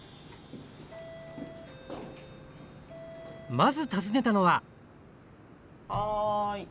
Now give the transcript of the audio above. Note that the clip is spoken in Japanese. まず訪ねたのははい！